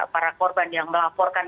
para korban yang melaporkan